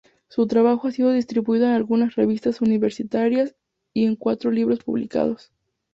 Su trabajo ha sido distribuido en algunas revistas universitarias y en cuatro libros publicados.